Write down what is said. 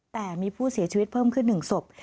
แต่มีผู้เสียชีวิตเพิ่มขึ้น๑ศพ